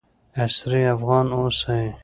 عصري افغان اوسئ.